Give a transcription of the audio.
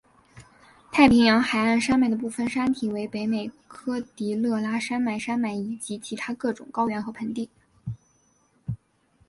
太平洋海岸山脉的部分山体为北美科迪勒拉山脉山脉以及其他各种高原和盆地。